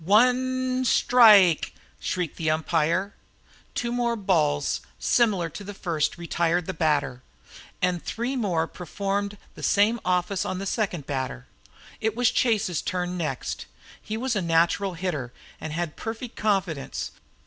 "O n e S t r i e k e!" shrieked the umpire. Two more balls similar to the first retired the batter, and three more performed the same office for the second batter. It was Chase's turn next. He was a natural hitter, and had perfect confidence.